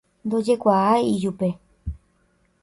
ndojekuaái ijupe